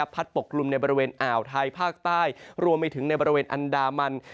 ปกลุ่มในบริเวณอ่าวไทยภาคใต้รวมไปถึงในบริเวณอันดามัน